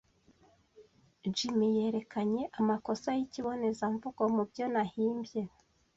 Jim yerekanye amakosa yikibonezamvugo mubyo nahimbye.